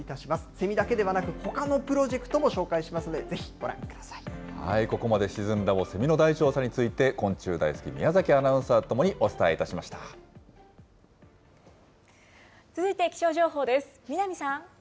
セミだけではなく、ほかのプロジェクトも紹介しますので、ぜひ、ここまで、シチズンラボ、セミの大調査について、昆虫大好き、宮崎アナウンサーと共にお伝えい続いて気象情報です。